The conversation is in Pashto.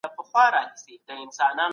سلگۍ د ټولنیز جوړښت د پرمختګ لپاره مهمه ده.